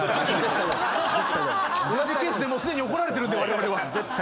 同じケースでもうすでに怒られてるんでわれわれは。